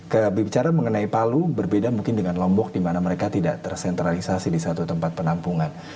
kalau bicara mengenai palu berbeda mungkin dengan lombok di mana mereka tidak tersentralisasi di satu tempat penampungan